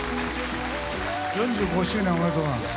４５周年おめでとうございます。